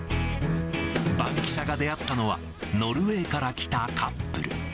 バンキシャが出会ったのは、ノルウェーから来たカップル。